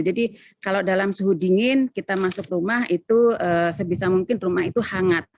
jadi kalau dalam suhu dingin kita masuk rumah itu sebisa mungkin rumah itu hangat